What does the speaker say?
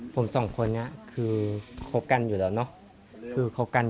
ก็จะมีความสุขกับพวกเรา